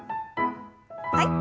はい。